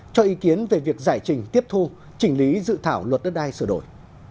cho ý kiến về việc giải trình tiếp thu chỉnh lý dự thảo luật đất đai sửa đổi